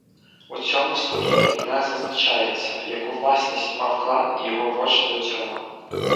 У цьому статуті не зазначається, яку власність мав клан і його вождь до цього.